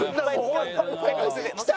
きた！